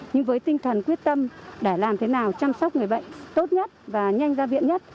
nhưng với tinh thần quyết tâm để làm thế nào chăm sóc người bệnh tốt nhất và nhanh ra viện nhất